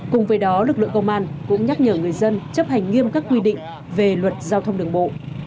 cùng với đó lực lượng công an cũng nhắc nhở người dân chấp hành nghiêm các quy định về luật giao thông đường bộ